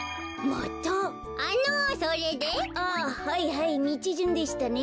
はいみちじゅんでしたね。